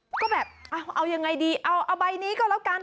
ก็แบบเอายังไงดีเอาใบนี้ก็แล้วกัน